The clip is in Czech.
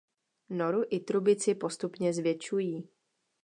Noru i trubici postupně zvětšují.